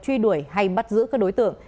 truy đuổi hay bắt giữ các đối tượng